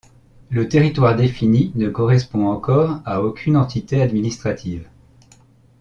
Le territoire défini ne correspond encore à aucune entité administrative.